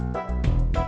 ada mobil mau keluar